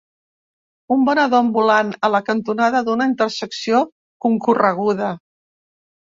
Un venedor ambulant a la cantonada d'una intersecció concorreguda.